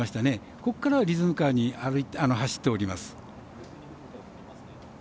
ここからはリズミカルに走っております。